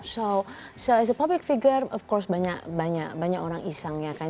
so is a public figure of course banyak banyak orang iseng ya kan